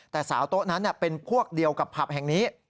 แต่สาวโต๊ะนั้นเป็นพวกเดียวกับผับแห่งนี้